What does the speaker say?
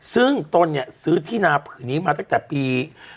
ซึ่งต้นซื้อที่นาภือนี้มาตั้งแต่ปี